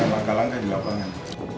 maka langkah di lapangan